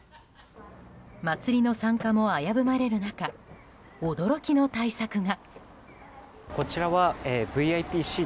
祭りの参加も危ぶまれる中驚きの対策が。